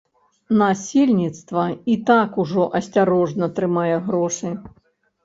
Насельніцтва і так ужо асцярожна трымае грошы.